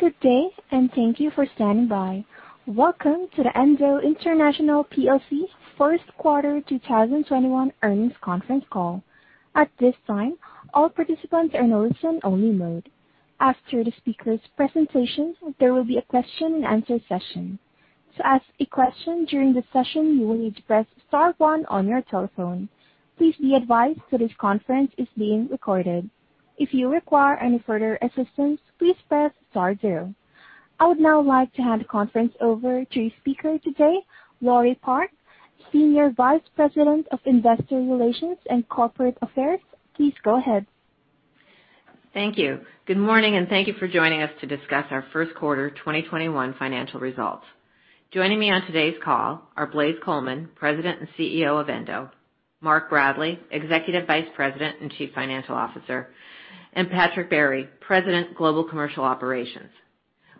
Good day, and thank you for standing by. Welcome to the Endo International plc first quarter 2021 earnings conference call. I would now like to hand the conference over to your speaker today, Laure Park, Senior Vice President of Investor Relations and Corporate Affairs. Please go ahead. Thank you. Good morning, thank you for joining us to discuss our first quarter 2021 financial results. Joining me on today's call are Blaise Coleman, President and CEO of Endo, Mark Bradley, Executive Vice President and Chief Financial Officer, and Patrick Barry, President, Global Commercial Operations.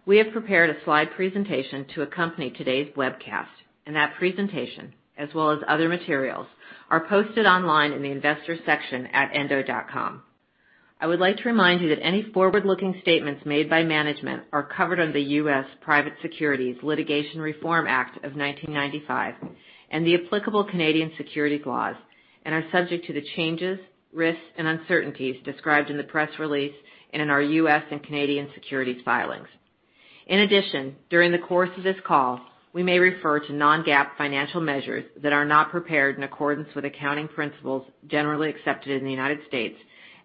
We have prepared a slide presentation to accompany today's webcast. That presentation, as well as other materials, are posted online in the Investors section at endo.com. I would like to remind you that any forward-looking statements made by management are covered under the U.S. Private Securities Litigation Reform Act of 1995 and the applicable Canadian securities laws and are subject to the changes, risks, and uncertainties described in the press release and in our U.S. and Canadian securities filings. In addition, during the course of this call, we may refer to non-GAAP financial measures that are not prepared in accordance with accounting principles generally accepted in the United States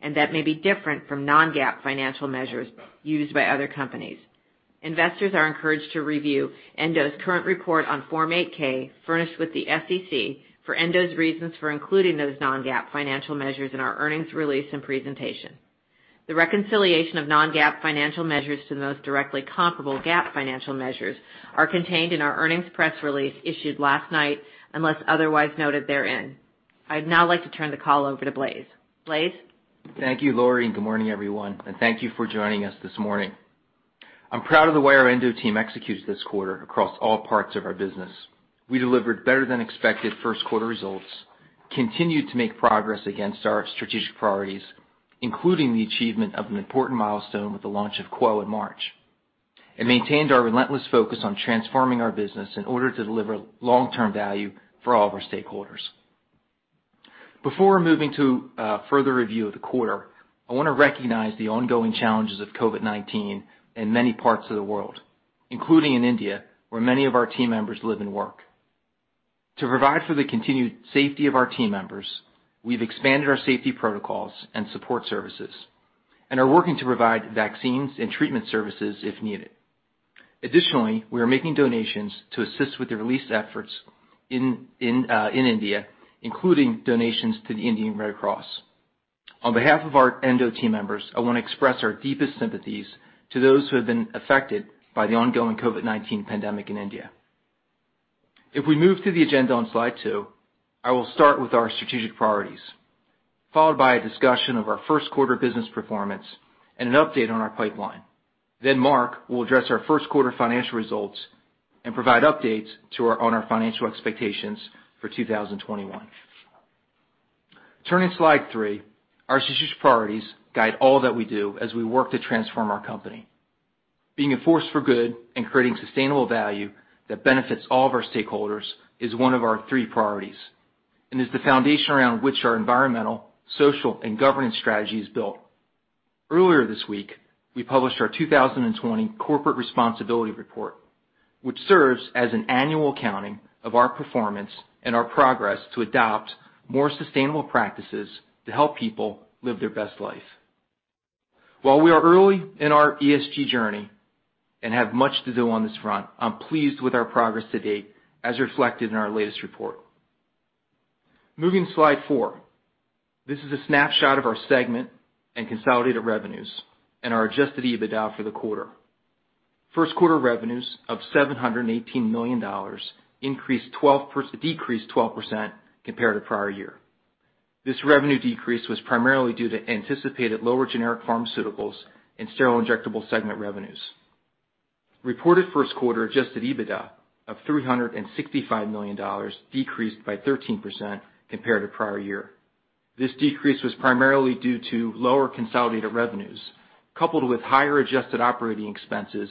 and that may be different from non-GAAP financial measures used by other companies. Investors are encouraged to review Endo's current report on Form 8-K furnished with the SEC for Endo's reasons for including those non-GAAP financial measures in our earnings release and presentation. The reconciliation of non-GAAP financial measures to the most directly comparable GAAP financial measures are contained in our earnings press release issued last night unless otherwise noted therein. I'd now like to turn the call over to Blaise. Blaise? Thank you, Laure, and good morning, everyone, and thank you for joining us this morning. I'm proud of the way our Endo team executed this quarter across all parts of our business. We delivered better-than-expected first quarter results, continued to make progress against our strategic priorities, including the achievement of an important milestone with the launch of QWO in March, and maintained our relentless focus on transforming our business in order to deliver long-term value for all of our stakeholders. Before moving to a further review of the quarter, I want to recognize the ongoing challenges of COVID-19 in many parts of the world, including in India, where many of our team members live and work. To provide for the continued safety of our team members, we've expanded our safety protocols and support services and are working to provide vaccines and treatment services if needed. Additionally, we are making donations to assist with the relief efforts in India, including donations to the Indian Red Cross. On behalf of our Endo team members, I want to express our deepest sympathies to those who have been affected by the ongoing COVID-19 pandemic in India. If we move to the agenda on slide two, I will start with our strategic priorities, followed by a discussion of our first quarter business performance and an update on our pipeline. Mark will address our first quarter financial results and provide updates on our financial expectations for 2021. Turning to slide three, our strategic priorities guide all that we do as we work to transform our company. Being a force for good and creating sustainable value that benefits all of our stakeholders is one of our three priorities and is the foundation around which our environmental, social, and governance strategy is built. Earlier this week, we published our 2020 Corporate Responsibility Report, which serves as an annual accounting of our performance and our progress to adopt more sustainable practices to help people live their best life. While we are early in our ESG journey and have much to do on this front, I'm pleased with our progress to date as reflected in our latest report. Moving to slide four. This is a snapshot of our segment and consolidated revenues and our adjusted EBITDA for the quarter. First quarter revenues of $718 million decreased 12% compared to prior year. This revenue decrease was primarily due to anticipated lower generic pharmaceuticals and sterile injectable segment revenues. Reported first quarter adjusted EBITDA of $365 million decreased by 13% compared to prior year. This decrease was primarily due to lower consolidated revenues, coupled with higher adjusted operating expenses,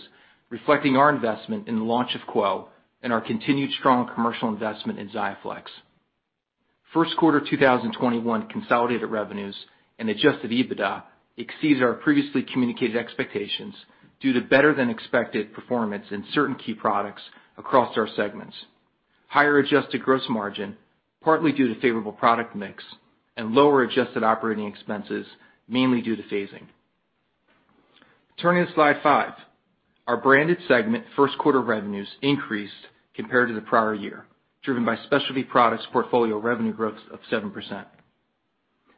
reflecting our investment in the launch of QWO and our continued strong commercial investment in XIAFLEX. First quarter 2021 consolidated revenues and adjusted EBITDA exceeds our previously communicated expectations due to better than expected performance in certain key products across our segments. Higher adjusted gross margin, partly due to favorable product mix and lower adjusted operating expenses, mainly due to phasing. Turning to slide five. Our branded segment first-quarter revenues increased compared to the prior year, driven by specialty products portfolio revenue growth of 7%.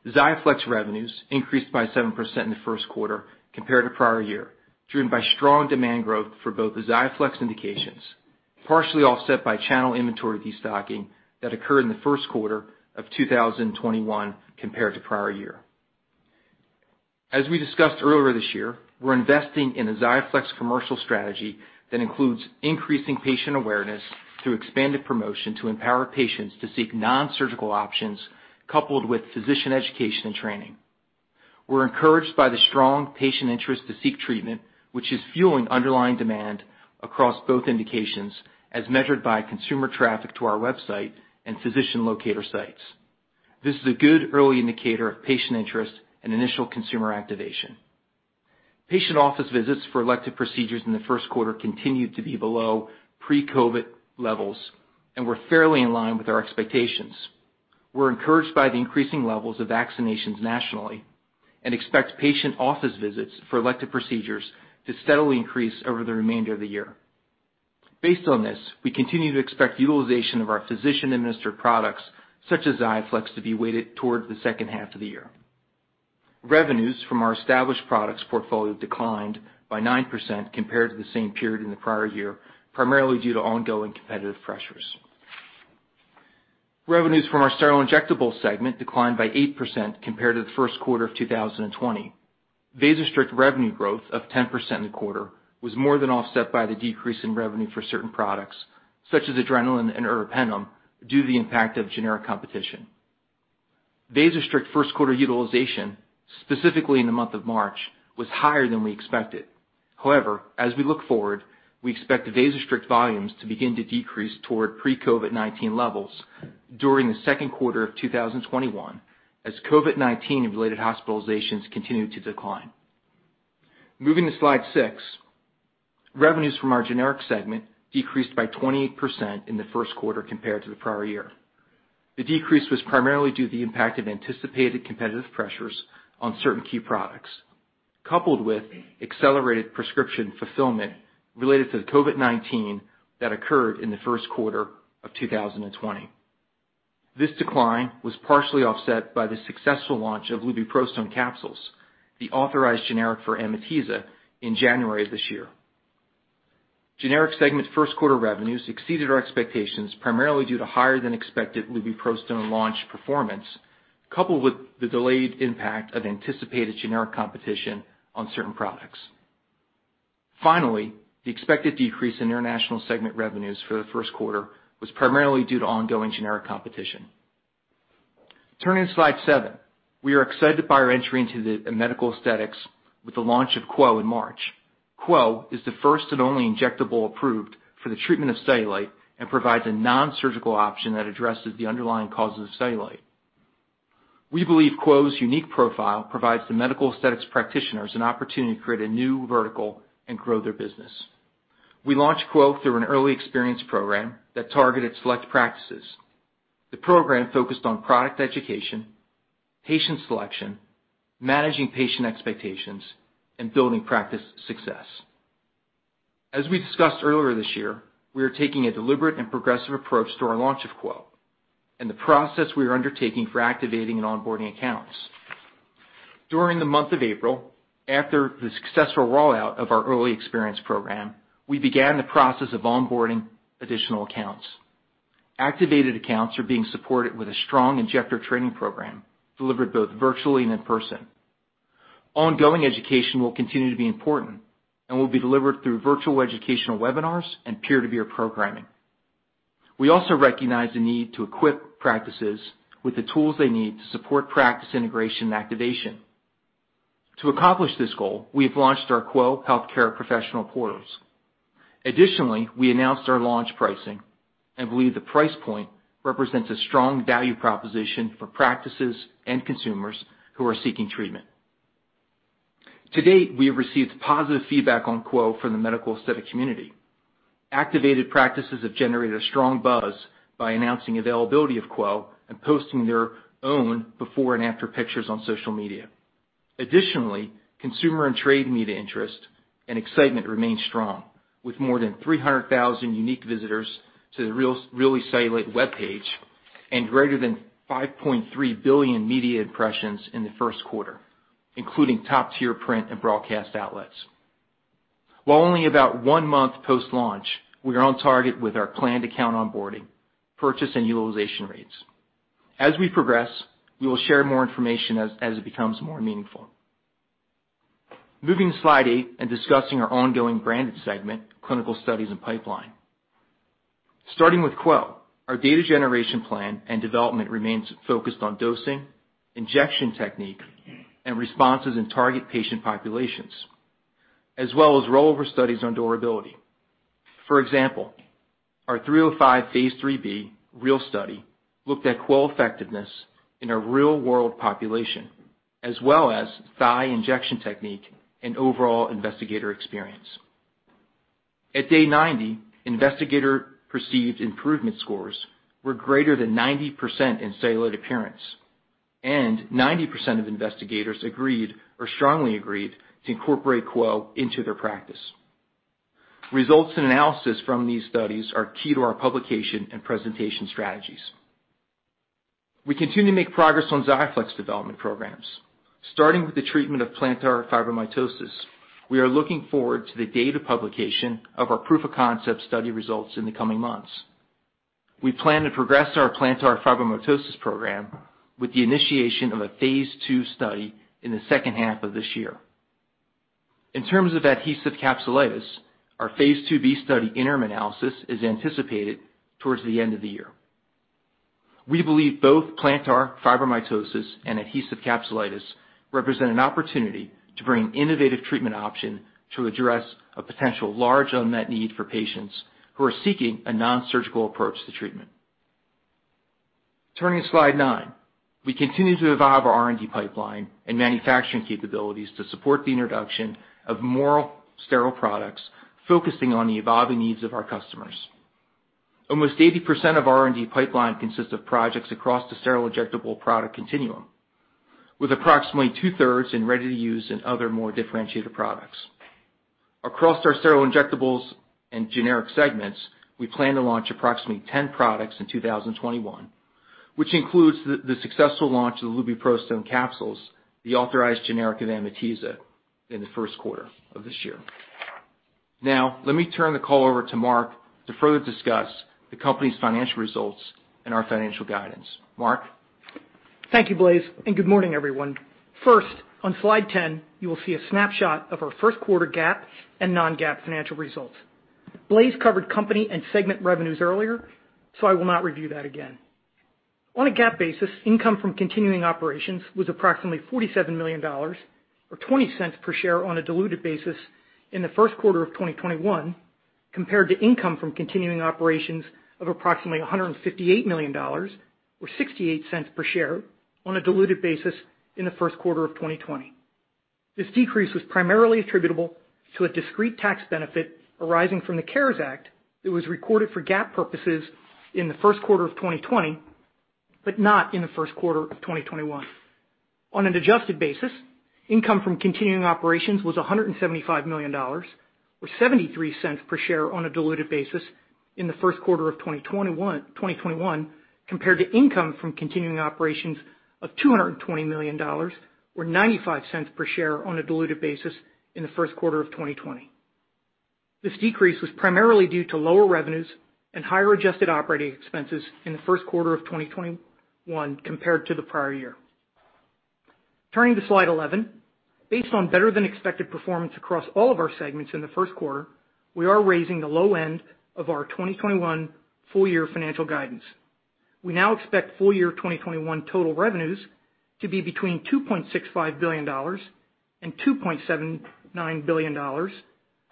XIAFLEX revenues increased by 7% in the first quarter compared to prior year, driven by strong demand growth for both the XIAFLEX indications, partially offset by channel inventory destocking that occurred in the first quarter of 2021 compared to prior year. As we discussed earlier this year, we're investing in a XIAFLEX commercial strategy that includes increasing patient awareness through expanded promotion to empower patients to seek non-surgical options, coupled with physician education and training. We're encouraged by the strong patient interest to seek treatment, which is fueling underlying demand across both indications as measured by consumer traffic to our website and physician locator sites. This is a good early indicator of patient interest and initial consumer activation. Patient office visits for elective procedures in the first quarter continued to be below pre-COVID levels and were fairly in line with our expectations. We're encouraged by the increasing levels of vaccinations nationally and expect patient office visits for elective procedures to steadily increase over the remainder of the year. Based on this, we continue to expect utilization of our physician-administered products such as XIAFLEX to be weighted towards the second half of the year. Revenues from our established products portfolio declined by 9% compared to the same period in the prior year, primarily due to ongoing competitive pressures. Revenues from our sterile injectables segment declined by 8% compared to the first quarter of 2020. Vasostrict revenue growth of 10% in the quarter was more than offset by the decrease in revenue for certain products such as adrenalin and ertapenem due to the impact of generic competition. Vasostrict first-quarter utilization, specifically in the month of March, was higher than we expected. However, as we look forward, we expect Vasostrict volumes to begin to decrease toward pre-COVID-19 levels during the second quarter of 2021 as COVID-19 and related hospitalizations continue to decline. Moving to slide six, revenues from our generics segment decreased by 28% in the first quarter compared to the prior year. The decrease was primarily due to the impact of anticipated competitive pressures on certain key products, coupled with accelerated prescription fulfillment related to the COVID-19 that occurred in the first quarter of 2020. This decline was partially offset by the successful launch of lubiprostone capsules, the authorized generic for AMITIZA, in January of this year. Generics segment first-quarter revenues exceeded our expectations, primarily due to higher-than-expected lubiprostone launch performance, coupled with the delayed impact of anticipated generic competition on certain products. Finally, the expected decrease in international segment revenues for the first quarter was primarily due to ongoing generic competition. Turning to slide seven. We are excited by our entry into the medical aesthetics with the launch of QWO in March. QWO is the first and only injectable approved for the treatment of cellulite and provides a non-surgical option that addresses the underlying causes of cellulite. We believe QWO's unique profile provides the medical aesthetics practitioners an opportunity to create a new vertical and grow their business. We launched QWO through an Early Experience Program that targeted select practices. The program focused on product education, patient selection, managing patient expectations, and building practice success. As we discussed earlier this year, we are taking a deliberate and progressive approach to our launch of QWO and the process we are undertaking for activating and onboarding accounts. During the month of April, after the successful rollout of our early experience program, we began the process of onboarding additional accounts. Activated accounts are being supported with a strong injector training program delivered both virtually and in person. Ongoing education will continue to be important and will be delivered through virtual educational webinars and peer-to-peer programming. We also recognize the need to equip practices with the tools they need to support practice integration and activation. To accomplish this goal, we have launched our QWO healthcare professional portals. Additionally, we announced our launch pricing and believe the price point represents a strong value proposition for practices and consumers who are seeking treatment. To date, we have received positive feedback on QWO from the medical aesthetics community. Activated practices have generated a strong buzz by announcing availability of QWO and posting their own before and after pictures on social media. Consumer and trade media interest and excitement remain strong with more than 300,000 unique visitors to the Really Cellulite webpage and greater than 5.3 billion media impressions in the first quarter, including top-tier print and broadcast outlets. While only about one month post-launch, we are on target with our planned account onboarding, purchase, and utilization rates. As we progress, we will share more information as it becomes more meaningful. Moving to slide eight and discussing our ongoing branded segment, clinical studies, and pipeline. Starting with QWO, our data generation plan and development remains focused on dosing, injection technique, and responses in target patient populations, as well as rollover studies on durability. For example, our 305 phase III-B REAL study looked at QWO effectiveness in a real-world population, as well as thigh injection technique and overall investigator experience. At day 90, investigator-perceived improvement scores were greater than 90% in cellulite appearance, and 90% of investigators agreed or strongly agreed to incorporate QWO into their practice. Results and analysis from these studies are key to our publication and presentation strategies. We continue to make progress on XIAFLEX development programs. Starting with the treatment of plantar fibromatosis, we are looking forward to the data publication of our proof-of-concept study results in the coming months. We plan to progress our plantar fibromatosis program with the initiation of a phase II study in the second half of this year. In terms of adhesive capsulitis, our phase IIb study interim analysis is anticipated towards the end of the year. We believe both plantar fibromatosis and adhesive capsulitis represent an opportunity to bring innovative treatment option to address a potential large unmet need for patients who are seeking a nonsurgical approach to treatment. Turning to slide nine, we continue to evolve our R&D pipeline and manufacturing capabilities to support the introduction of more sterile products, focusing on the evolving needs of our customers. Almost 80% of R&D pipeline consists of projects across the sterile injectable product continuum, with approximately two-thirds in ready to use and other more differentiated products. Across our sterile injectables and generic segments, we plan to launch approximately 10 products in 2021, which includes the successful launch of the lubiprostone capsules, the authorized generic of AMITIZA, in the first quarter of this year. Now, let me turn the call over to Mark to further discuss the company's financial results and our financial guidance. Mark? Thank you, Blaise, and good morning, everyone. First, on slide 10, you will see a snapshot of our first quarter GAAP and non-GAAP financial results. Blaise covered company and segment revenues earlier. I will not review that again. On a GAAP basis, income from continuing operations was approximately $47 million, or $0.20 per share on a diluted basis in the first quarter of 2021, compared to income from continuing operations of approximately $158 million, or $0.68 per share on a diluted basis in the first quarter of 2020. This decrease was primarily attributable to a discrete tax benefit arising from the CARES Act that was recorded for GAAP purposes in the first quarter of 2020, but not in the first quarter of 2021. On an adjusted basis, income from continuing operations was $175 million, or $0.73 per share on a diluted basis in the first quarter of 2021, compared to income from continuing operations of $220 million, or $0.95 per share on a diluted basis in the first quarter of 2020. This decrease was primarily due to lower revenues and higher adjusted operating expenses in the first quarter of 2021 compared to the prior year. Turning to slide 11. Based on better than expected performance across all of our segments in the first quarter, we are raising the low end of our 2021 full year financial guidance. We now expect full year 2021 total revenues to be between $2.65 billion and $2.79 billion,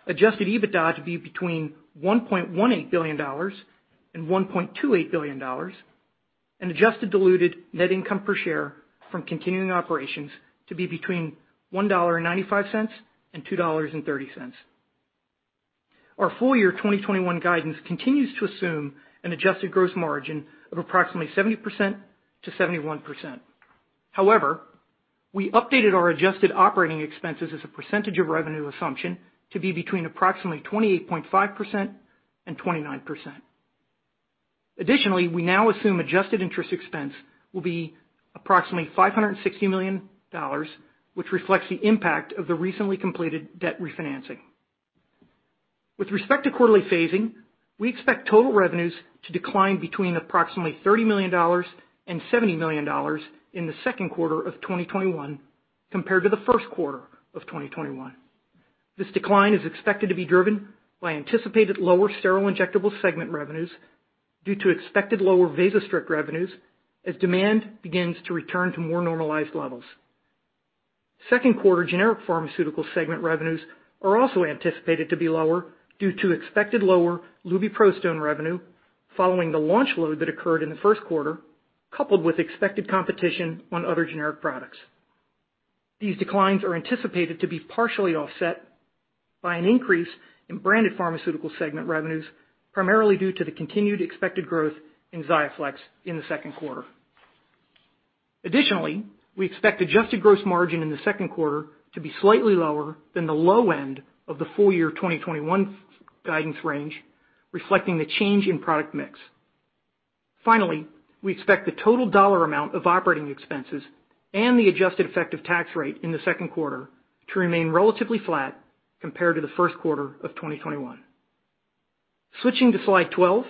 adjusted EBITDA to be between $1.18 billion and $1.28 billion, and adjusted diluted net income per share from continuing operations to be between $1.95 and $2.30. Our full year 2021 guidance continues to assume an adjusted gross margin of approximately 70%-71%. However, we updated our adjusted operating expenses as a percentage of revenue assumption to be between approximately 28.5% and 29%. Additionally, we now assume adjusted interest expense will be approximately $560 million, which reflects the impact of the recently completed debt refinancing. With respect to quarterly phasing, we expect total revenues to decline between approximately $30 million and $70 million in the second quarter of 2021 compared to the first quarter of 2021. This decline is expected to be driven by anticipated lower sterile injectable segment revenues due to expected lower Vasostrict revenues as demand begins to return to more normalized levels. Second quarter generic pharmaceutical segment revenues are also anticipated to be lower due to expected lower lubiprostone revenue following the launch load that occurred in the first quarter, coupled with expected competition on other generic products. These declines are anticipated to be partially offset by an increase in branded pharmaceutical segment revenues, primarily due to the continued expected growth in XIAFLEX in the second quarter. We expect adjusted gross margin in the second quarter to be slightly lower than the low end of the full year 2021 guidance range, reflecting the change in product mix. We expect the total dollar amount of operating expenses and the adjusted effective tax rate in the second quarter to remain relatively flat compared to the first quarter of 2021. Switching to slide 12.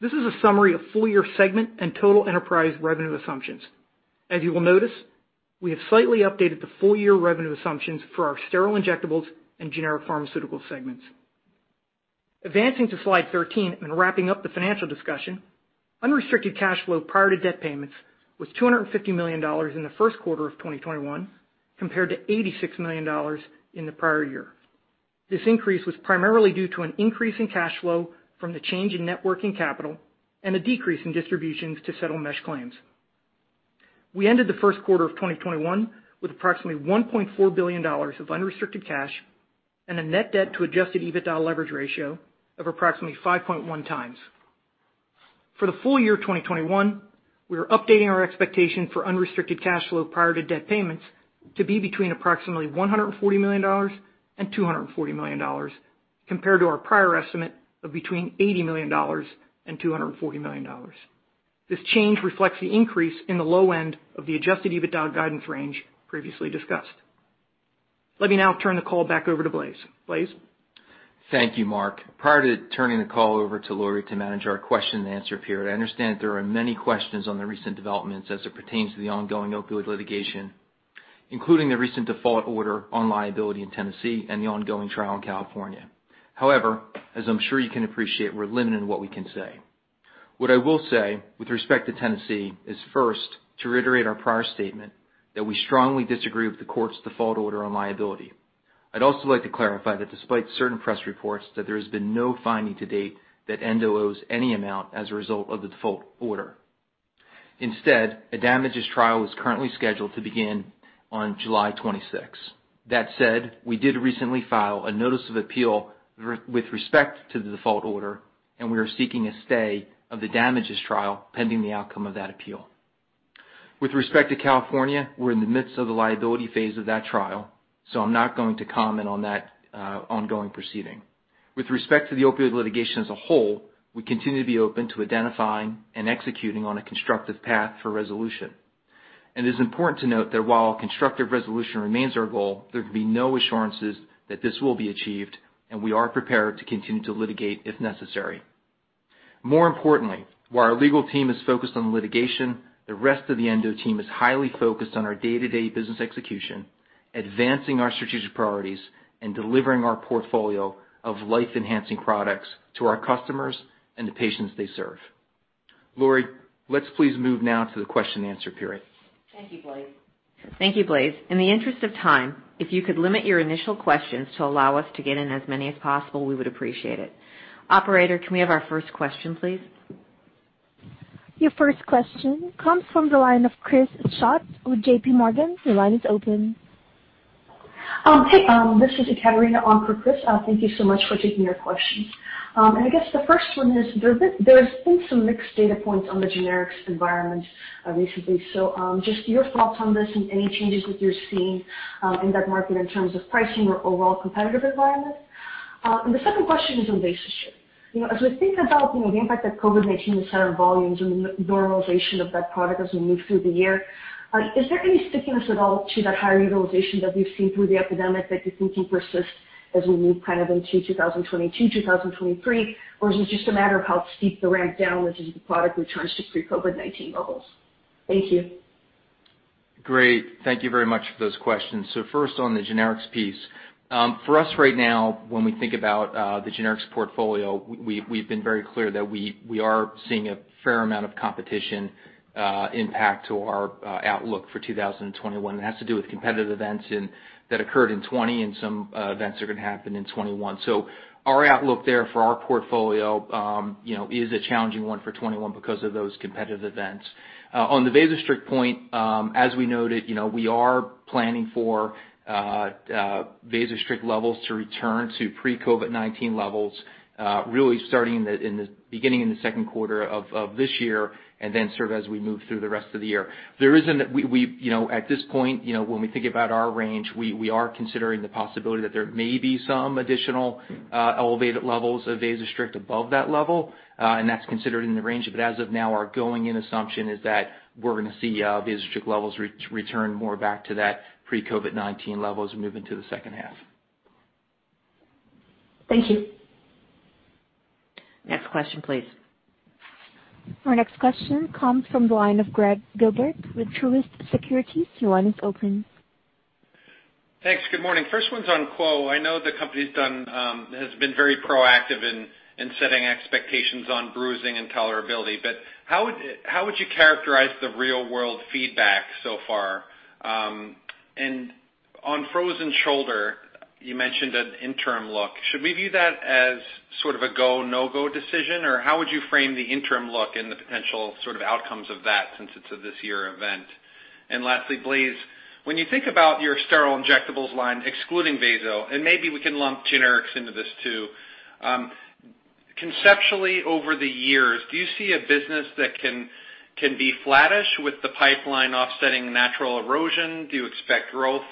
This is a summary of full year segment and total enterprise revenue assumptions. As you will notice, we have slightly updated the full year revenue assumptions for our sterile injectables and generic pharmaceutical segments. Advancing to slide 13, and wrapping up the financial discussion, unrestricted cash flow prior to debt payments was $250 million in the first quarter of 2021, compared to $86 million in the prior year. This increase was primarily due to an increase in cash flow from the change in net working capital and a decrease in distributions to settle mesh claims. We ended the first quarter of 2021 with approximately $1.4 billion of unrestricted cash and a net debt to adjusted EBITDA leverage ratio of approximately 5.1 times. For the full year 2021, we are updating our expectation for unrestricted cash flow prior to debt payments to be between approximately $140 million and $240 million, compared to our prior estimate of between $80 million and $240 million. This change reflects the increase in the low end of the adjusted EBITDA guidance range previously discussed. Let me now turn the call back over to Blaise. Blaise? Thank you, Mark. Prior to turning the call over to Laure Park to manage our question and answer period, I understand there are many questions on the recent developments as it pertains to the ongoing opioid litigation, including the recent default order on liability in Tennessee and the ongoing trial in California. However, as I'm sure you can appreciate, we're limited in what we can say. What I will say with respect to Tennessee is first, to reiterate our prior statement, that we strongly disagree with the court's default order on liability. I'd also like to clarify that despite certain press reports, that there has been no finding to date that Endo owes any amount as a result of the default order. Instead, a damages trial is currently scheduled to begin on July 26th. That said, we did recently file a notice of appeal with respect to the default order, and we are seeking a stay of the damages trial pending the outcome of that appeal. With respect to California, we're in the midst of the liability phase of that trial, so I'm not going to comment on that ongoing proceeding. With respect to the opioid litigation as a whole, we continue to be open to identifying and executing on a constructive path for resolution. It is important to note that while constructive resolution remains our goal, there can be no assurances that this will be achieved, and we are prepared to continue to litigate if necessary. More importantly, while our legal team is focused on litigation, the rest of the Endo team is highly focused on our day-to-day business execution, advancing our strategic priorities, and delivering our portfolio of life-enhancing products to our customers and the patients they serve. Laure, let's please move now to the question and answer period. Thank you, Blaise. In the interest of time, if you could limit your initial questions to allow us to get in as many as possible, we would appreciate it. Operator, can we have our first question, please? Your first question comes from the line of Chris Schott with JPMorgan. Your line is open. Hey, this is Ekaterina on for Chris. Thank you so much for taking our question. I guess the first one is, there's been some mixed data points on the generics environment recently. Just your thoughts on this and any changes that you're seeing in that market in terms of pricing or overall competitive environment. The second question is on Vasostrict. As we think about the impact that COVID-19 has had on volumes and the normalization of that product as we move through the year, is there any stickiness at all to that higher utilization that we've seen through the epidemic that you think can persist as we move into 2022, 2023? Is it just a matter of how steep the ramp down as the product returns to pre-COVID-19 levels? Thank you. Great. Thank you very much for those questions. First on the generics piece. For us right now, when we think about the generics portfolio, we've been very clear that we are seeing a fair amount of competition impact to our outlook for 2021. It has to do with competitive events that occurred in 2020 and some events that are going to happen in 2021. Our outlook there for our portfolio is a challenging one for 2021 because of those competitive events. On the Vasostrict point, as we noted, we are planning for Vasostrict levels to return to pre-COVID-19 levels, really starting beginning in the second quarter of this year and then sort of as we move through the rest of the year. At this point, when we think about our range, we are considering the possibility that there may be some additional elevated levels of Vasostrict above that level, and that's considered in the range. As of now, our going-in assumption is that we're going to see Vasostrict levels return more back to that pre-COVID-19 levels moving to the second half. Thank you. Next question, please. Our next question comes from the line of Gregg Gilbert with Truist Securities. Your line is open. Thanks. Good morning. First one's on QWO. I know the company has been very proactive in setting expectations on bruising and tolerability. How would you characterize the real-world feedback so far? On frozen shoulder, you mentioned an interim look. Should we view that as sort of a go, no-go decision? How would you frame the interim look and the potential sort of outcomes of that since it's a this-year event? Lastly, Blaise, when you think about your sterile injectables line, excluding Vaso, and maybe we can lump generics into this too. Conceptually over the years, do you see a business that can be flattish with the pipeline offsetting natural erosion? Do you expect growth?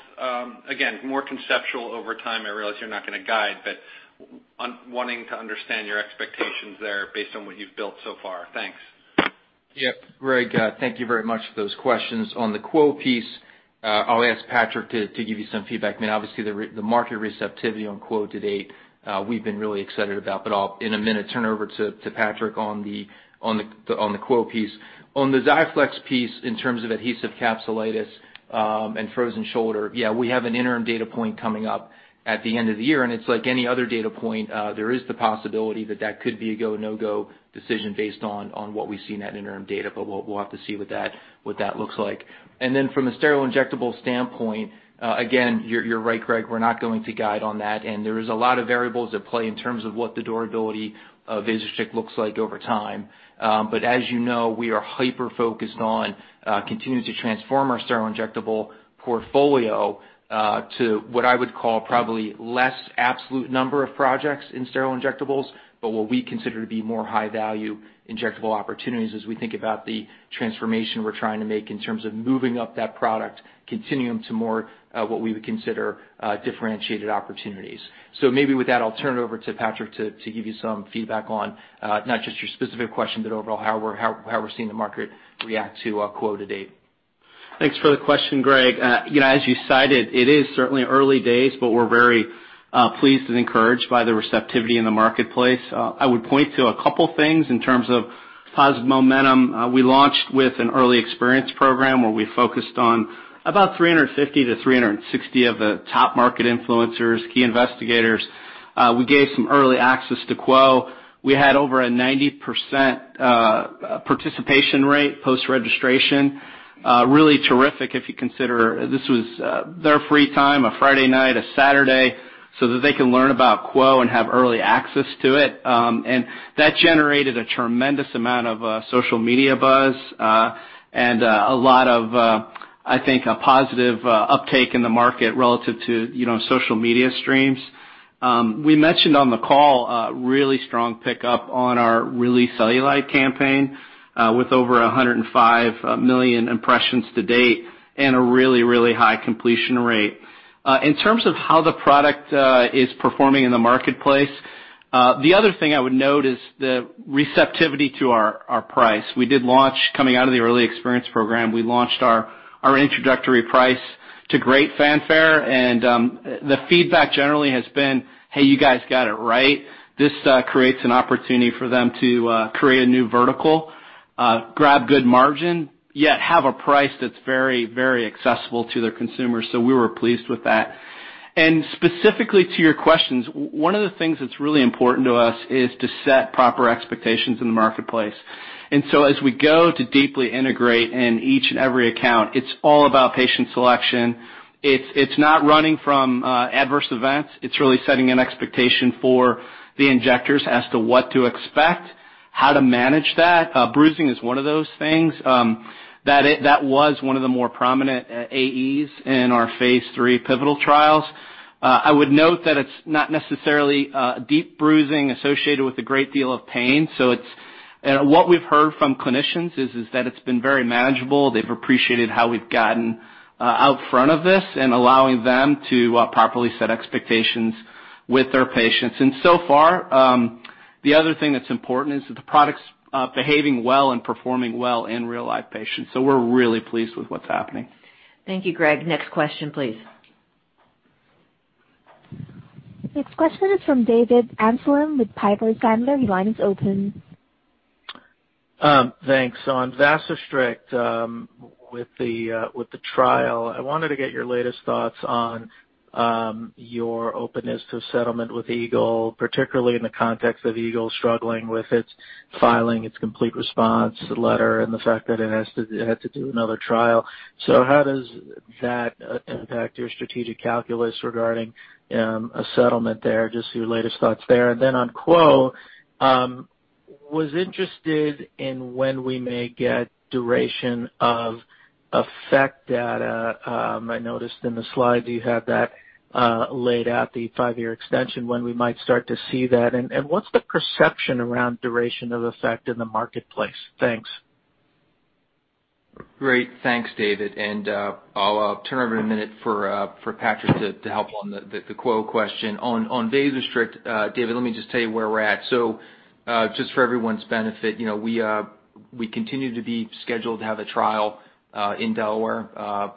Again, more conceptual over time. I realize you're not going to guide, but wanting to understand your expectations there based on what you've built so far. Thanks. Yep, Gregg, thank you very much for those questions. On the QWO piece, I'll ask Patrick to give you some feedback. Obviously, the market receptivity on QWO to date, we've been really excited about. I'll, in a minute, turn over to Patrick on the QWO piece. On the XIAFLEX piece, in terms of adhesive capsulitis and frozen shoulder, yeah, we have an interim data point coming up at the end of the year, and it's like any other data point. There is the possibility that could be a go, no-go decision based on what we see in that interim data, but we'll have to see what that looks like. Then from a sterile injectable standpoint, again, you're right, Gregg, we're not going to guide on that. There is a lot of variables at play in terms of what the durability of Vasostrict looks like over time. As you know, we are hyper-focused on continuing to transform our sterile injectable portfolio to what I would call probably less absolute number of projects in sterile injectables, but what we consider to be more high-value injectable opportunities as we think about the transformation we're trying to make in terms of moving up that product continuum to more what we would consider differentiated opportunities. Maybe with that, I'll turn it over to Patrick to give you some feedback on not just your specific question, but overall how we're seeing the market react to QWO to date. Thanks for the question, Gregg. As you cited, it is certainly early days, but we're very pleased and encouraged by the receptivity in the marketplace. I would point to a couple things in terms of positive momentum. We launched with an early experience program where we focused on about 350 to 360 of the top market influencers, key investigators. We gave some early access to QWO. We had over a 90% participation rate post-registration. Really terrific if you consider this was their free time, a Friday night, a Saturday, so that they can learn about QWO and have early access to it. That generated a tremendous amount of social media buzz, and a lot of, I think, a positive uptake in the market relative to social media streams. We mentioned on the call a really strong pickup on our Really Cellulite campaign, with over 105 million impressions to date and a really high completion rate. In terms of how the product is performing in the marketplace, the other thing I would note is the receptivity to our price. Coming out of the early experience program, we launched our introductory price to great fanfare, and the feedback generally has been, "Hey, you guys got it right." This creates an opportunity for them to create a new vertical, grab good margin, yet have a price that's very accessible to their consumers. We were pleased with that. Specifically to your questions, one of the things that's really important to us is to set proper expectations in the marketplace. As we go to deeply integrate in each and every account, it's all about patient selection. It's not running from adverse events. It's really setting an expectation for the injectors as to what to expect, how to manage that. Bruising is one of those things. That was one of the more prominent AEs in our phase III pivotal trials. I would note that it's not necessarily a deep bruising associated with a great deal of pain. What we've heard from clinicians is that it's been very manageable. They've appreciated how we've gotten out front of this and allowing them to properly set expectations with their patients. The other thing that's important is that the product's behaving well and performing well in real, live patients. We're really pleased with what's happening. Thank you, Gregg. Next question, please. Next question is from David Amsellem with Piper Sandler. Your line is open. Thanks. On Vasostrict, with the trial, I wanted to get your latest thoughts on your openness to a settlement with Eagle, particularly in the context of Eagle struggling with its filing, its complete response letter, and the fact that it had to do another trial. How does that impact your strategic calculus regarding a settlement there? Just your latest thoughts there. On QWO, was interested in when we may get duration of effect data. I noticed in the slide that you have that laid out, the five-year extension, when we might start to see that, and what's the perception around duration of effect in the marketplace? Thanks. Great. Thanks, David. I'll turn over in a minute for Patrick to help on the QWO question. On Vasostrict, David, let me just tell you where we're at. Just for everyone's benefit, we continue to be scheduled to have a trial in Delaware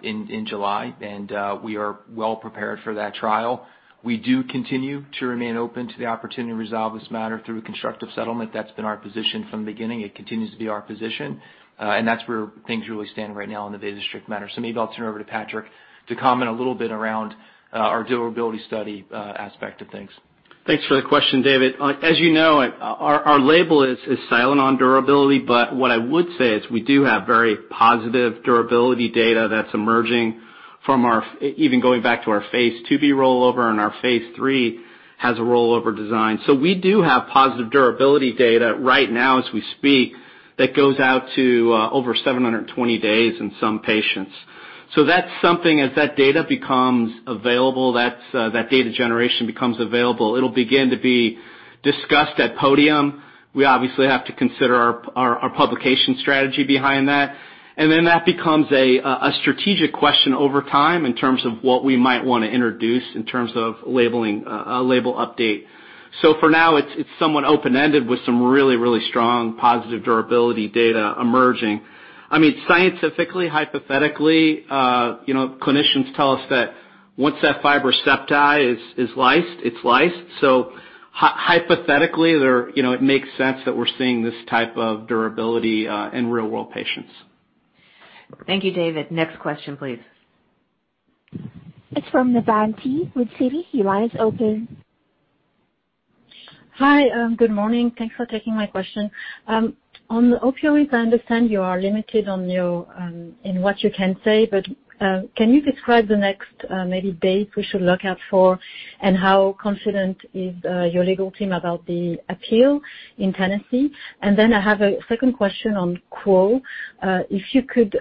in July, and we are well prepared for that trial. We do continue to remain open to the opportunity to resolve this matter through a constructive settlement. That's been our position from the beginning. It continues to be our position. That's where things really stand right now on the Vasostrict matter. Maybe I'll turn over to Patrick to comment a little bit around our durability study aspect of things. Thanks for the question, David. As you know, our label is silent on durability, what I would say is we do have very positive durability data that's emerging from even going back to our phase II-B rollover, and our phase III has a rollover design. We do have positive durability data right now as we speak that goes out to over 720 days in some patients. That's something, as that data generation becomes available, it'll begin to be discussed at podium. We obviously have to consider our publication strategy behind that. That becomes a strategic question over time in terms of what we might want to introduce in terms of a label update. For now, it's somewhat open-ended with some really strong positive durability data emerging. Scientifically, hypothetically, clinicians tell us that once that fibrous septae is lysed, it's lysed. Hypothetically, it makes sense that we're seeing this type of durability in real-world patients. Thank you, David. Next question, please. It's from Navann Ty with Citi. Your line is open. Hi. Good morning. Thanks for taking my question. On the opioids, I understand you are limited in what you can say, but can you describe the next maybe date we should look out for, and how confident is your legal team about the appeal in Tennessee? I have a second question on QWO. If you could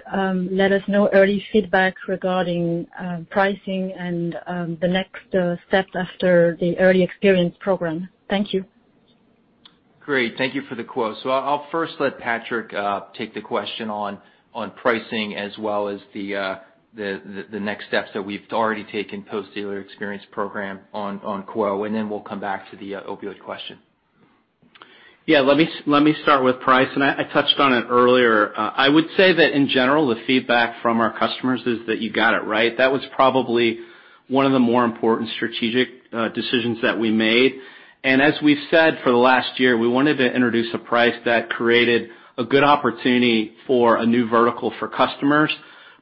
let us know early feedback regarding pricing and the next step after the early experience program. Thank you. Great. Thank you for the QWO. I'll first let Patrick take the question on pricing as well as the next steps that we've already taken post early experience program on QWO, and then we'll come back to the opioid question. Yeah, let me start with price, and I touched on it earlier. I would say that in general, the feedback from our customers is that you got it right. That was probably one of the more important strategic decisions that we made. As we've said for the last year, we wanted to introduce a price that created a good opportunity for a new vertical for customers,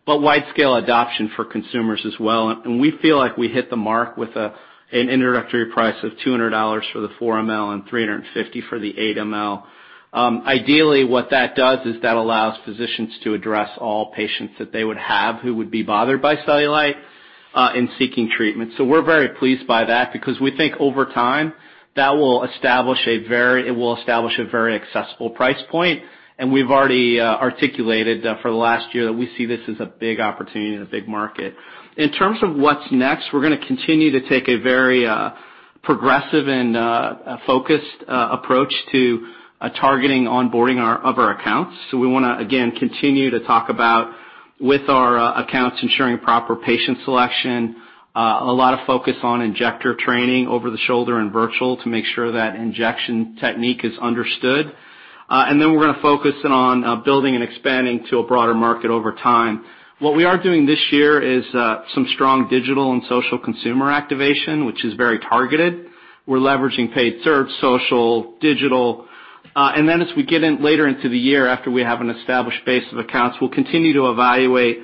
but wide-scale adoption for consumers as well. We feel like we hit the mark with an introductory price of $200 for the 4 ml and $350 for the 8 ml. Ideally, what that does is that allows physicians to address all patients that they would have who would be bothered by cellulite in seeking treatment. We're very pleased by that because we think over time, it will establish a very accessible price point, and we've already articulated for the last year that we see this as a big opportunity and a big market. In terms of what's next, we're going to continue to take a very progressive and focused approach to targeting onboarding of our accounts. We want to, again, continue to talk about, with our accounts, ensuring proper patient selection, a lot of focus on injector training, over the shoulder and virtual, to make sure that injection technique is understood. We're going to focus in on building and expanding to a broader market over time. What we are doing this year is some strong digital and social consumer activation, which is very targeted. We're leveraging paid search, social, digital. As we get in later into the year after we have an established base of accounts, we'll continue to evaluate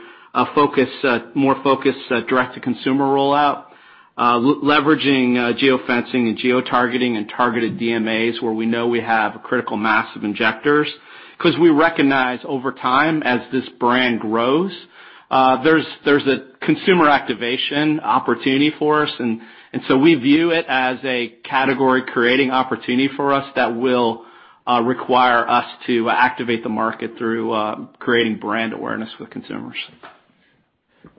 more focused direct-to-consumer rollout, leveraging geofencing and geotargeting and targeted DMAs where we know we have a critical mass of injectors. Because we recognize over time, as this brand grows, there's a consumer activation opportunity for us. We view it as a category-creating opportunity for us that will require us to activate the market through creating brand awareness with consumers.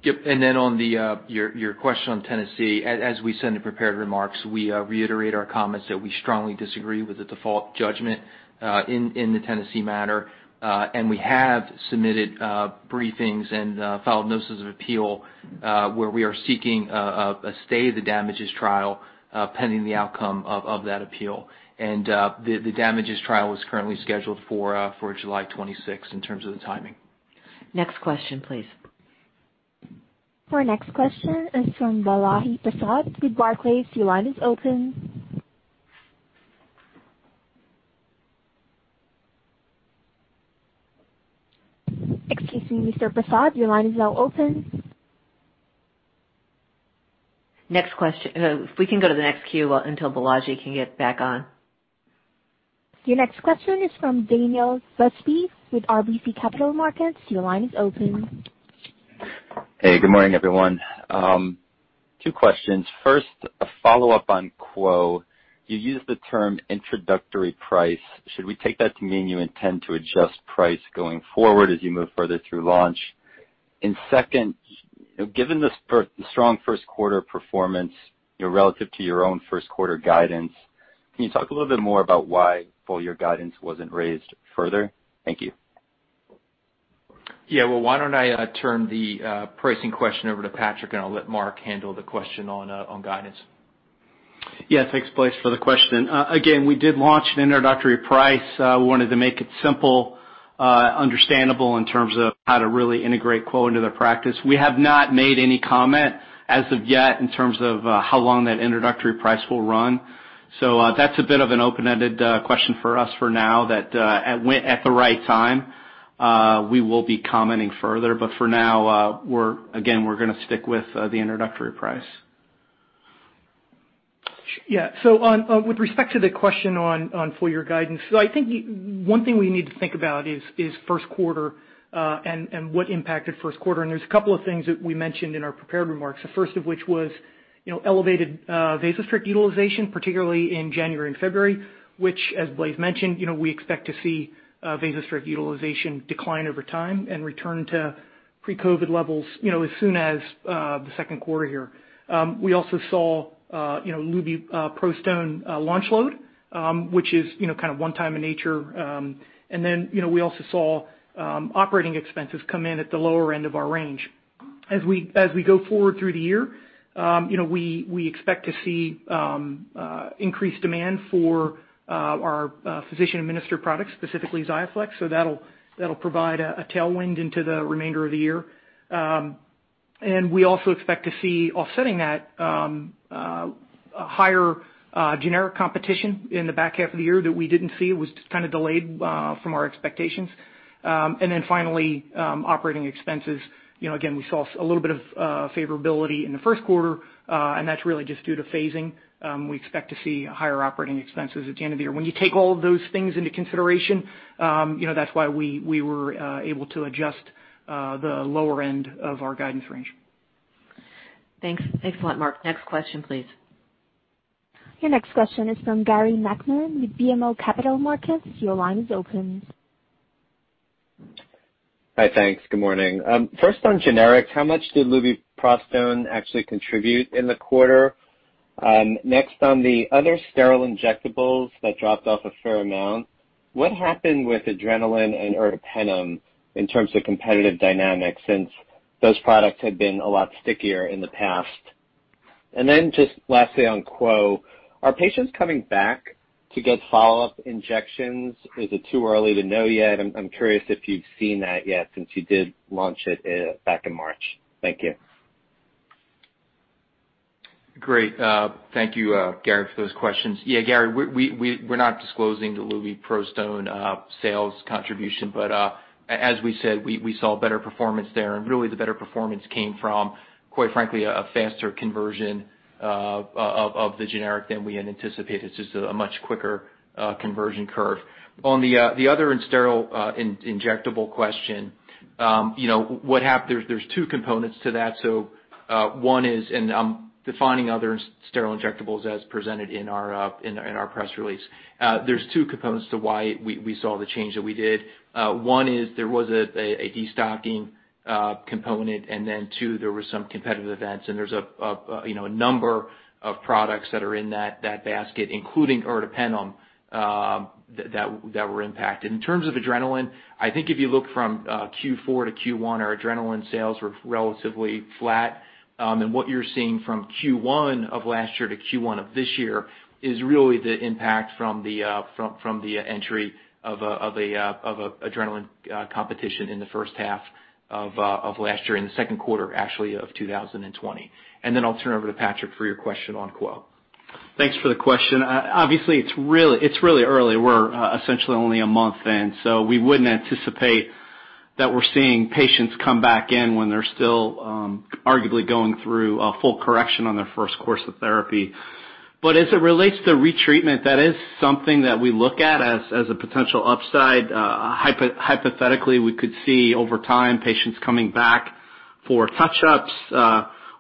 Yep. Then on your question on Tennessee, as we said in prepared remarks, we reiterate our comments that we strongly disagree with the default judgment in the Tennessee matter. We have submitted briefings and filed notices of appeal, where we are seeking a stay of the damages trial pending the outcome of that appeal. The damages trial is currently scheduled for July 26th in terms of the timing. Next question, please. Our next question is from Balaji Prasad with Barclays. Your line is open. Excuse me, Mr. Prasad, your line is now open. If we can go to the next queue until Balaji can get back on. Your next question is from Daniel Busby with RBC Capital Markets. Your line is open. Hey, good morning, everyone. Two questions. First, a follow-up on QWO. You used the term introductory price. Should we take that to mean you intend to adjust price going forward as you move further through launch? Second, given the strong first quarter performance relative to your own first quarter guidance, can you talk a little bit more about why full year guidance wasn't raised further? Thank you. Yeah. Well, why don't I turn the pricing question over to Patrick, and I'll let Mark handle the question on guidance. Thanks, Blaise, for the question. We did launch an introductory price. We wanted to make it simple, understandable in terms of how to really integrate QWO into their practice. We have not made any comment as of yet in terms of how long that introductory price will run. That's a bit of an open-ended question for us for now that at the right time, we will be commenting further. For now, again, we're going to stick with the introductory price. Yeah. With respect to the question on full year guidance, I think one thing we need to think about is first quarter and what impacted first quarter. There's a couple of things that we mentioned in our prepared remarks. The first of which was elevated Vasostrict utilization, particularly in January and February, which, as Blaise mentioned, we expect to see Vasostrict utilization decline over time and return to pre-COVID levels as soon as the second quarter here. We also saw lubiprostone launch load, which is kind of one time in nature. We also saw operating expenses come in at the lower end of our range. As we go forward through the year, we expect to see increased demand for our physician-administered products, specifically XIAFLEX, that'll provide a tailwind into the remainder of the year. We also expect to see offsetting that higher generic competition in the back half of the year that we didn't see. It was kind of delayed from our expectations. Finally, operating expenses. Again, we saw a little bit of favorability in the first quarter, and that's really just due to phasing. We expect to see higher operating expenses at the end of the year. When you take all of those things into consideration, that's why we were able to adjust the lower end of our guidance range. Thanks a lot, Mark. Next question, please. Your next question is from Gary Nachman with BMO Capital Markets. Your line is open. Hi, thanks. Good morning. First on generics, how much did lubiprostone actually contribute in the quarter? On the other sterile injectables that dropped off a fair amount, what happened with adrenalin and ertapenem in terms of competitive dynamics since those products had been a lot stickier in the past? Just lastly on QWO. Are patients coming back to get follow-up injections? Is it too early to know yet? I'm curious if you've seen that yet since you did launch it back in March. Thank you. Great. Thank you, Gary, for those questions. Gary, we're not disclosing the lubiprostone sales contribution, but as we said, we saw better performance there. Really the better performance came from, quite frankly, a faster conversion of the generic than we had anticipated, just a much quicker conversion curve. On the other sterile injectable question, there's two components to that. I'm defining other sterile injectables as presented in our press release. There's two components to why we saw the change that we did. One is there was a de-stocking component, and then two, there was some competitive events, and there's a number of products that are in that basket, including-- ertapenem, that were impacted. In terms of adrenalin, I think if you look from Q4 to Q1, our adrenalin sales were relatively flat. What you're seeing from Q1 of last year to Q1 of this year is really the impact from the entry of a adrenalin competition in the first half of last year, in the second quarter, actually, of 2020. I'll turn over to Patrick for your question on QWO. Thanks for the question. Obviously, it's really early. We're essentially only a month in. We wouldn't anticipate that we're seeing patients come back in when they're still arguably going through a full correction on their first course of therapy. As it relates to retreatment, that is something that we look at as a potential upside. Hypothetically, we could see over time patients coming back for touch-ups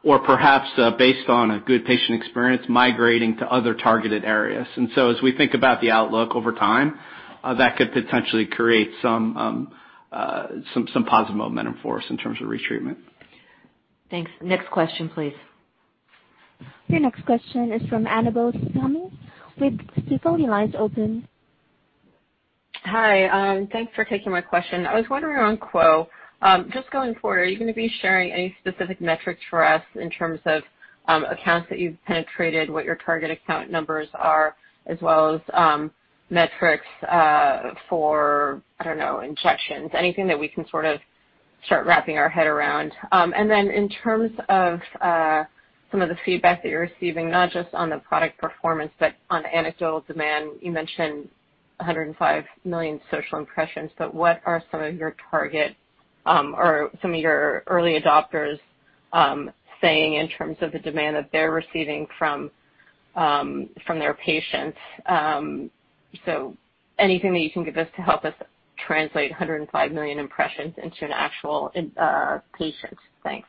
or perhaps based on a good patient experience, migrating to other targeted areas. As we think about the outlook over time, that could potentially create some positive momentum for us in terms of retreatment. Thanks. Next question, please. Your next question is from Annabel Samimy with Stifel. Your phone line's open. Hi, thanks for taking my question. I was wondering on QWO, just going forward, are you going to be sharing any specific metrics for us in terms of accounts that you've penetrated, what your target account numbers are, as well as metrics for, I don't know, injections? Anything that we can sort of start wrapping our head around. In terms of some of the feedback that you're receiving, not just on the product performance but on anecdotal demand. You mentioned 105 million social impressions, what are some of your target or some of your early adopters saying in terms of the demand that they're receiving from their patients? Anything that you can give us to help us translate 105 million impressions into an actual patient. Thanks.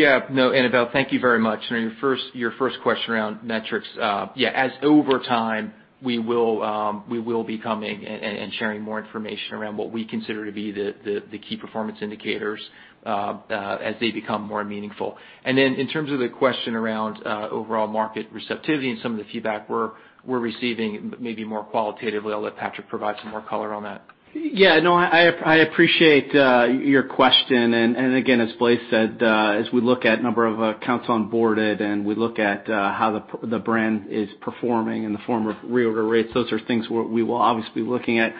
Annabel, thank you very much. On your first question around metrics, as over time, we will be coming and sharing more information around what we consider to be the key performance indicators as they become more meaningful. In terms of the question around overall market receptivity and some of the feedback we're receiving, maybe more qualitatively, I'll let Patrick provide some more color on that. Yeah. No, I appreciate your question. Again, as Blaise said, as we look at number of accounts onboarded, and we look at how the brand is performing in the form of reorder rates, those are things we will obviously be looking at.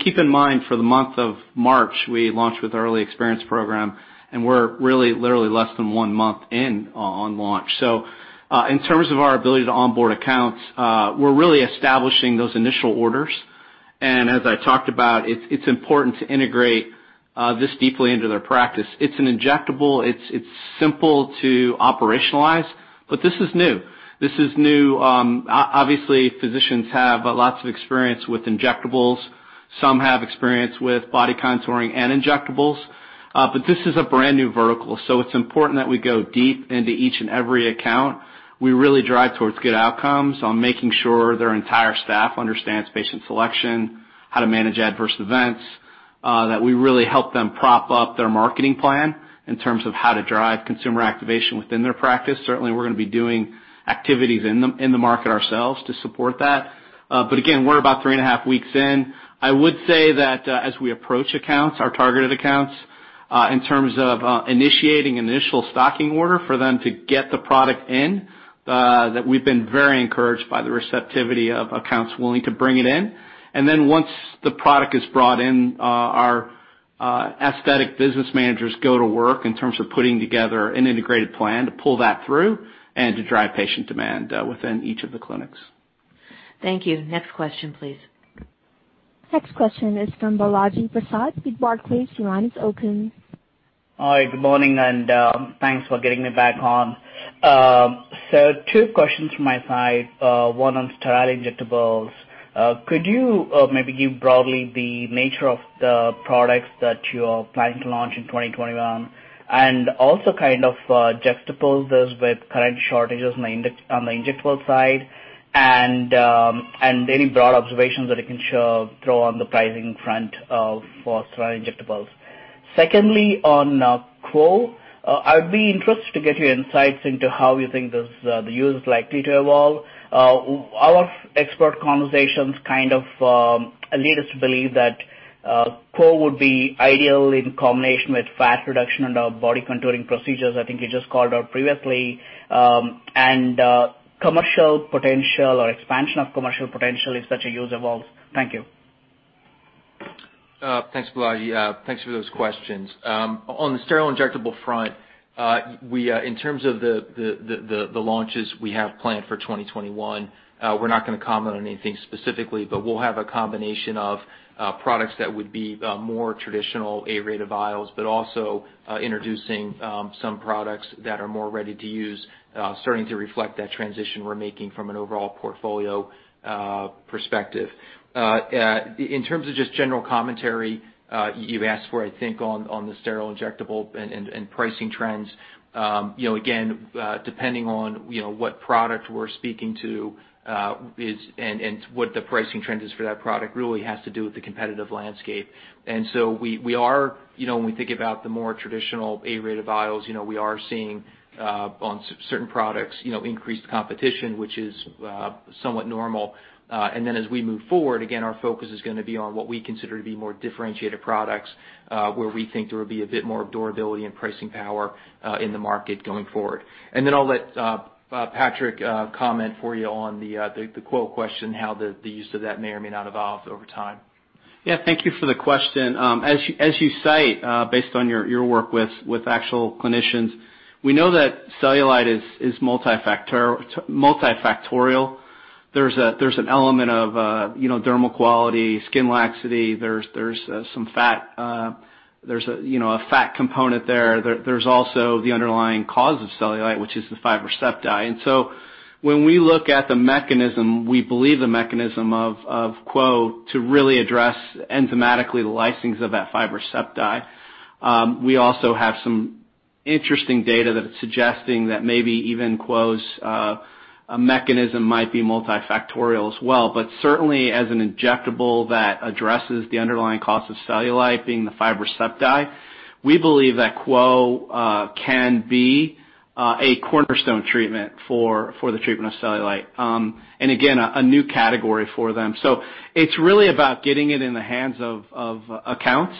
Keep in mind, for the month of March, we launched with our early experience program, and we're really literally less than one month in on launch. In terms of our ability to onboard accounts, we're really establishing those initial orders. As I talked about, it's important to integrate this deeply into their practice. It's an injectable. It's simple to operationalize, but this is new. Obviously, physicians have lots of experience with injectables. Some have experience with body contouring and injectables. This is a brand-new vertical, so it's important that we go deep into each and every account. We really drive towards good outcomes on making sure their entire staff understands patient selection, how to manage adverse events, that we really help them prop up their marketing plan in terms of how to drive consumer activation within their practice. Certainly, we're going to be doing activities in the market ourselves to support that. Again, we're about three and a half weeks in. I would say that as we approach accounts, our targeted accounts, in terms of initiating initial stocking order for them to get the product in, that we've been very encouraged by the receptivity of accounts willing to bring it in. Then once the product is brought in, our aesthetic business managers go to work in terms of putting together an integrated plan to pull that through and to drive patient demand within each of the clinics. Thank you. Next question, please. Next question is from Balaji Prasad with Barclays. Your line is open. Hi, good morning, thanks for getting me back on. Two questions from my side, one on sterile injectables. Could you maybe give broadly the nature of the products that you're planning to launch in 2021? Also kind of juxtapose this with current shortages on the injectable side and any broad observations that you can share on the pricing front for sterile injectables. Secondly, on QWO, I'd be interested to get your insights into how you think the use is likely to evolve. Our expert conversations kind of lead us to believe that QWO would be ideal in combination with fat reduction under body contouring procedures, I think you just called out previously. Commercial potential or expansion of commercial potential if such a use evolves. Thank you. Thanks, Balaji. Thanks for those questions. On the sterile injectable front, in terms of the launches we have planned for 2021, we're not going to comment on anything specifically, but we'll have a combination of products that would be more traditional A-rated vials, but also introducing some products that are more ready-to-use, starting to reflect that transition we're making from an overall portfolio perspective. In terms of just general commentary, you've asked for, I think on the sterile injectable and pricing trends. Again, depending on what product we're speaking to and what the pricing trend is for that product, really has to do with the competitive landscape. When we think about the more traditional A-rated vials, we are seeing on certain products increased competition, which is somewhat normal. As we move forward, again, our focus is going to be on what we consider to be more differentiated products, where we think there will be a bit more durability and pricing power in the market going forward. I'll let Patrick comment for you on the QWO question, how the use of that may or may not evolve over time. Yeah, thank you for the question. As you cite, based on your work with actual clinicians, we know that cellulite is multifactorial. There's an element of dermal quality, skin laxity. There's some fat. There's a fat component there. There's also the underlying cause of cellulite, which is the fibrous septae. When we look at the mechanism, we believe the mechanism of QWO to really address enzymatically the lysings of that fibrous septae. We also have some interesting data that is suggesting that maybe even QWO's mechanism might be multifactorial as well. Certainly as an injectable that addresses the underlying cause of cellulite being the fibrous septae, we believe that QWO can be a cornerstone treatment for the treatment of cellulite. Again, a new category for them. It's really about getting it in the hands of accounts,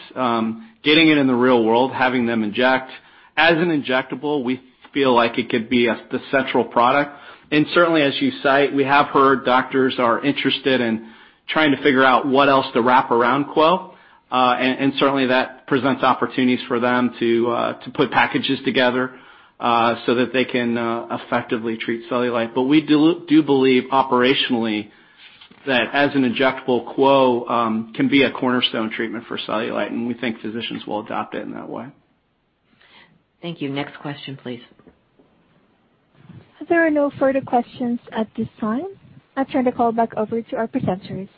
getting it in the real world, having them inject. As an injectable, we feel like it could be the central product. Certainly, as you cite, we have heard doctors are interested in trying to figure out what else to wrap around QWO. Certainly, that presents opportunities for them to put packages together so that they can effectively treat cellulite. We do believe operationally that as an injectable, QWO can be a cornerstone treatment for cellulite, and we think physicians will adopt it in that way. Thank you. Next question, please. There are no further questions at this time. I turn the call back over to our presenters.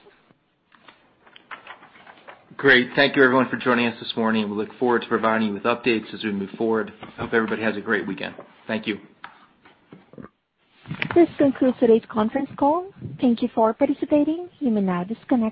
Great. Thank you everyone for joining us this morning. We look forward to providing you with updates as we move forward. I hope everybody has a great weekend. Thank you. This concludes today's conference call. Thank you for participating. You may now disconnect.